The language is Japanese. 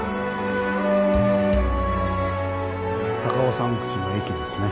高尾山口の駅ですね。